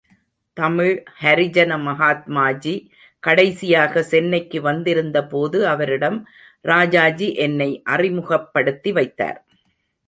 தமிழ் ஹரிஜன் மகாத்மாஜி கடைசியாகச் சென்னைக்கு வந்திருந்தபோது அவரிடம் ராஜாஜி என்னை அறிமுகப்படுத்தி வைத்தார்.